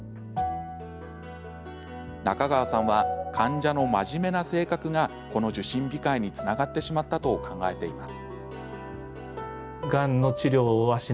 中川さんは患者の真面目な性格がこの受診控えにつながってしまったと考えています。